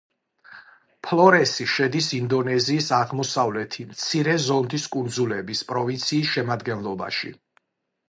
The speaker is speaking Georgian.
ფლორესი შედის ინდონეზიის აღმოსავლეთი მცირე ზონდის კუნძულების პროვინციის შემადგენლობაში.